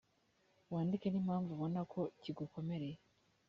wandike n impamvu ubona ko kigukomereye